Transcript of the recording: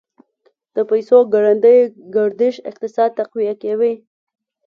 د پیسو ګړندی گردش اقتصاد تقویه کوي.